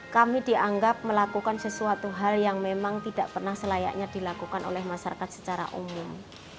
kami dianggap melakukan sesuatu hal yang memang tidak pernah selayaknya dilakukan oleh masyarakat secara umum